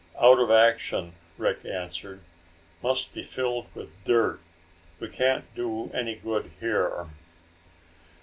"Out of action," Rick answered. "Must be filled with dirt. We can't do any good here."